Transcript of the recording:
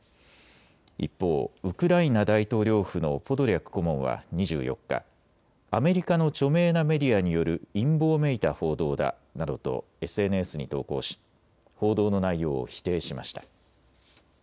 一方、ウクライナ大統領府のポドリャク顧問は２４日、アメリカの著名なメディアによる陰謀めいた報道だなどとＳＮＳに投稿し報道の内容を否定しました。